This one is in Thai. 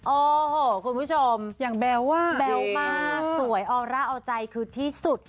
โอ้โหคุณผู้ชมแบ๊วมากสวยออร่าเอาใจคือที่สุด